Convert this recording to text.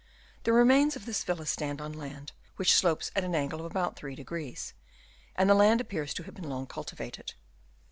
The remains of this villa stand on land which slopes at an angle of about 3° ; and the land appears to have been long cultivated.